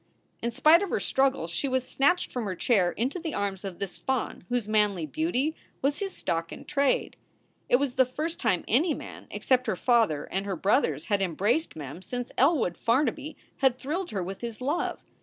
In spite of her struggles she was snatched from her chair into the arms of this faun whose manly beauty was his stock in trade. It was the first time any man except her father and her brothers had embraced Mem since Elwood Farnaby had thrilled her with his love.